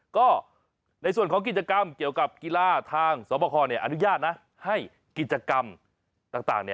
ก็ในส่วนของกิจกรรมเกี่ยวกับกีฬาทางสวบครอนุญาตนะให้กิจกรรมต่าง